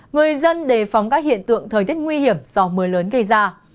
người dân đề phóng các hiện tượng thời tiết nguy hiểm do mưa lớn gây ra